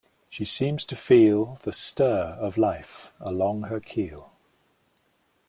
She seems to feel The stir of life along her keel.